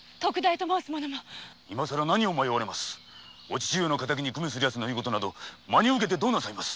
お父上の敵に組する者の言うことなど真にうけてどうなさいます。